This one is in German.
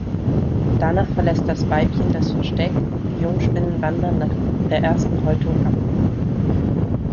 Danach verlässt das Weibchen das Versteck, die Jungspinnen wandern nach der ersten Häutung ab.